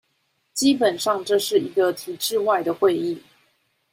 基本上這是一個體制外的會議